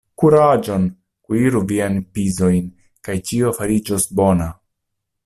Kuraĝon! Kuiru viajn pizojn kaj ĉio fariĝos bona!